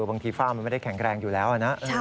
ฝ้ามันไม่ได้แข็งแรงอยู่แล้วนะ